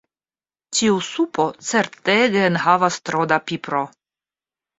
Tiu supo certege enhavas tro da pipro.